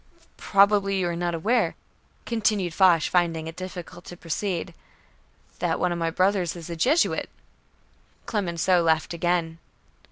"Probably you are not aware," continued Foch, finding it difficult to proceed, "that one of my brothers is a Jesuit." Clemenceau laughed again.